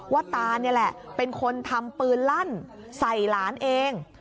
ตานี่แหละเป็นคนทำปืนลั่นใส่หลานเอง